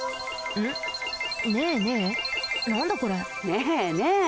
ねえねえ。